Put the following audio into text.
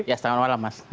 ya selamat malam mas